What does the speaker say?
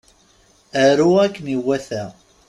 Aru akken iwata.